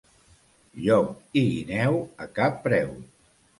Llop i guineu, a cap preu.